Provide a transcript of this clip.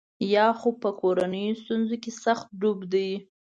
یا خو په کورنیو ستونزو کې سخت ډوب دی.